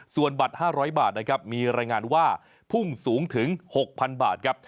ส่วนบัตร๕๐๐บาทนะครับมีรายงานว่าพุ่งสูงถึง๖๐๐๐บาทครับ